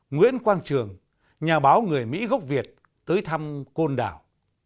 nguyễn quang trường nhà báo người mỹ gốc việt tới thăm côn đảo